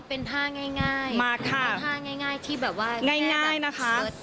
เป็นท่าย่ายง่ายมากค่ะมีการท่าย่ายง่ายที่แบบว่าง่ายง่ายนะคะ